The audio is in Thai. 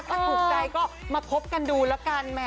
ถ้าถูกใจก็มาคบกันดูแล้วกัน